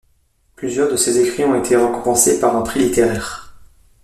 Plusieurs de ses écrits ont été récompensés par un prix littéraire.